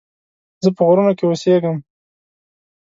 زه په غرونو کې اوسيږم